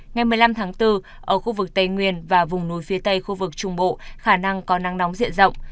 ngày một mươi năm tháng bốn ở khu vực tây nguyên và vùng núi phía tây khu vực trung bộ khả năng có nắng nóng diện rộng